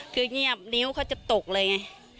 คือเงียบนิ้วเขาจะตกเลยไง